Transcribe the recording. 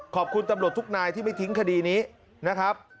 ตำรวจทุกนายที่ไม่ทิ้งคดีนี้นะครับ